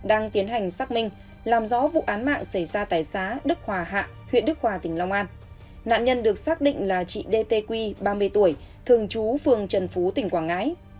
anh tê được xác định là chị đê tê quy ba mươi tuổi thường trú phường trần phú tỉnh quảng ngãi